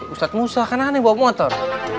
ustadz musah kan aneh bawa motor